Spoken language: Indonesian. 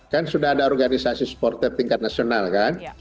kan sudah ada organisasi supporter tingkat nasional kan